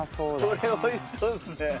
これ美味しそうですね。